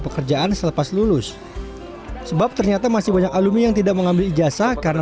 pekerjaan selepas lulus sebab ternyata masih banyak alumni yang tidak mengambil ijazah karena